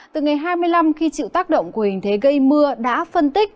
từ ngày hai mươi năm khi chịu tác động của hình thế gây mưa đã phân tích